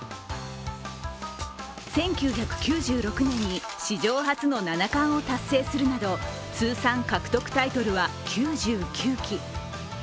１９９６年に史上初の７冠を達成するなど通算獲得タイトルは９９期。